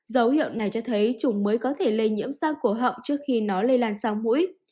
dấu hiệu này cho thấy chủng mới có thể lây nhiễm sang cổ họng trước khi nó lây lan sang mũi